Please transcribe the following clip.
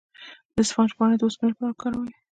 د اسفناج پاڼې د اوسپنې لپاره وکاروئ